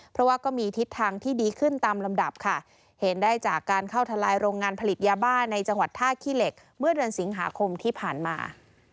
เพราะว่าก็มีทิศทางที่ดีขึ้นตามลำดับค่ะเห็นได้จากการเข้าทลายโรงงานผลิตยาบ้าในจังหวัดท่าขี้เหล็กเมื่อเดือนสิงหาคมที่ผ่านมา